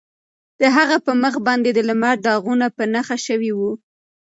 د هغه په مخ باندې د لمر داغونه په نښه شوي وو.